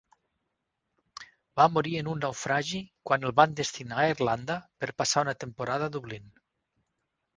Va morir en un naufragi quan el van destinar a Irlanda per passar una temporada a Dublín.